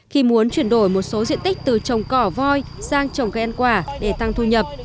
khi muốn chuyển đổi một số diện tích từ trồng cỏ voi sang trồng cây ăn quả để tăng thu nhập